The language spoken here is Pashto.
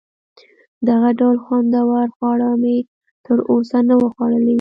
دغه ډول خوندور خواړه مې تر اوسه نه وه خوړلي.